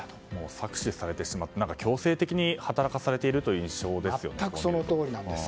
搾取されてしまって強制的に働かされているという全くそのとおりなんです。